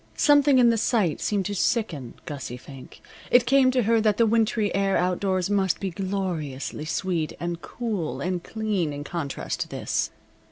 Something in the sight seemed to sicken Gussie Fink. It came to her that the wintry air outdoors must be gloriously sweet, and cool, and clean in contrast to this.